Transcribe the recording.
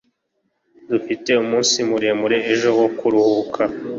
Dufite umunsi muremure ejo wo kuruhuka